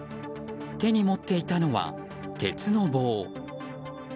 手に持っていたのは鉄の棒。